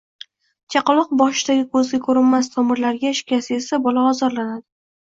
Chaqaloq boshidagi ko‘zga ko‘rinmas tomirlarga shikast yetsa, bola ozorlanadi.